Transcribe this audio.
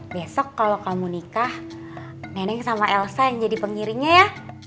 besok kalau kamu nikah nenek sama elsa yang jadi pengiringnya ya